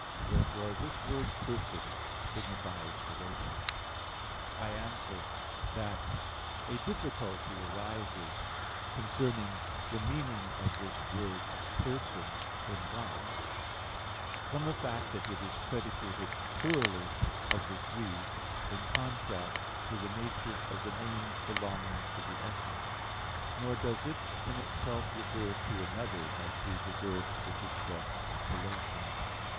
Therefore this word "person" signifies relation. I answer that, A difficulty arises concerning the meaning of this word "person" in God, from the fact that it is predicated plurally of the Three in contrast to the nature of the names belonging to the essence; nor does it in itself refer to another, as do the words which express relation.